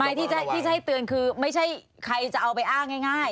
ที่จะให้เตือนคือไม่ใช่ใครจะเอาไปอ้างง่าย